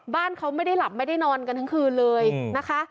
บ้านเขาไม่ได้หลับไม่ได้นอนกันทั้งคืนเลยนะคะ